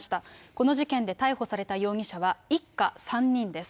この事件で逮捕された容疑者は一家３人です。